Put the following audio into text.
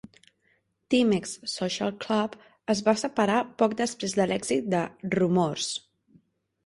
Timex Social Club es va separar poc després de l'èxit de "Rumors".